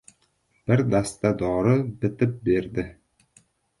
Bir dasta dori bitib berdi.